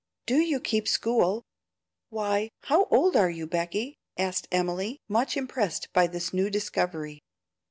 "Do you keep school? Why, how old are you, Becky?" asked Emily, much impressed by this new discovery.